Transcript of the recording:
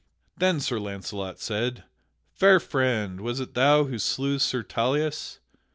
Then Sir Launcelot said, "Fair friend, was it thou who slew Sir Tauleas?"